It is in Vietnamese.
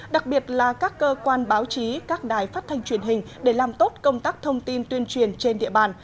đặc biệt là các cơ quan báo chí các đài phát thanh truyền hình để làm tốt công tác thông tin tuyên truyền trên địa bàn